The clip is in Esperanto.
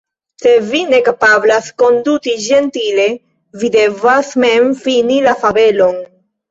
Se vi ne kapablas konduti ĝentile, vi devas mem fini la fabelon.